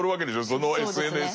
そのＳＮＳ。